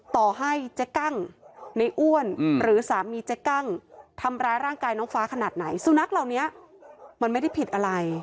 ต่อให้เจ๊กั้งในอ้วนหรือสามีเจ๊กั้งทำร้ายร่างกายน้องฟ้าขนาดไหนสุนัขเหล่านี้มันไม่ได้ผิดอะไร